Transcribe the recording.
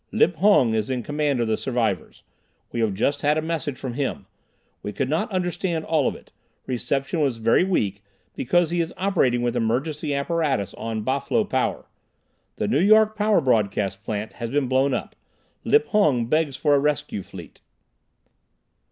Lip Hung is in command of the survivors. We have just had a message from him. We could not understand all of it. Reception was very weak because he is operating with emergency apparatus on Bah Flo power. The Nu Yok power broadcast plant has been blown up. Lip Hung begs for a rescue fleet."